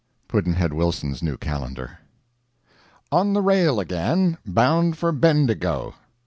Pudd'nhead Wilson's New Calendar. On the rail again bound for Bendigo.